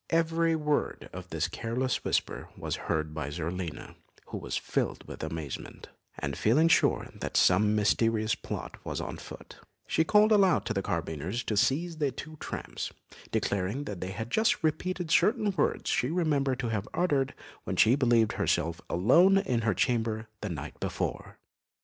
Every word of this careless whisper was heard by Zerlina, who was filled with amazement, and feeling sure that some mysterious plot was on foot, she called aloud to the carbineers to seize the two tramps, declaring they had just repeated certain words she remembered to have uttered when she believed herself alone in her chamber the night before.